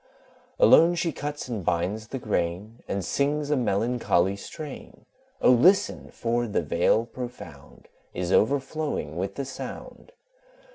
Alone she cuts and binds the grain, And sings a melancholy strain; O listen! for the Vale profound Is overflowing with the sound.